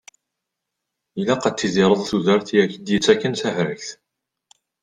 Ilaq ad tidireḍ tudert, i ak-id-yettakken tahregt.